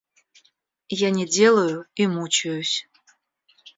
Я не делаю и мучаюсь.